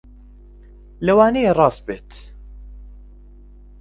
لەوانەیە ڕاست بێت